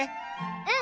うん。